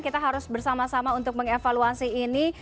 kita harus bersama sama untuk mengevaluasi ini